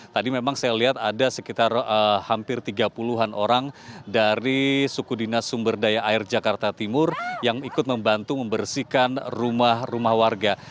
tadi memang saya lihat ada sekitar hampir tiga puluh an orang dari suku dinas sumber daya air jakarta timur yang ikut membantu membersihkan rumah rumah warga